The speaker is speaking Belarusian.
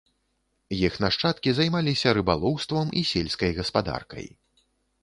Іх нашчадкі займаліся рыбалоўствам і сельскай гаспадаркай.